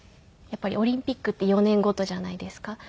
やっぱりオリンピックって４年ごとじゃないですか。